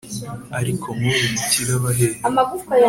ariko nkubu umukire abahehe